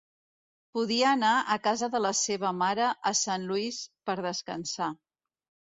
Podia anar a casa de la seva mare a Saint Louis per descansar.